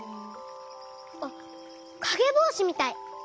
あっかげぼうしみたい！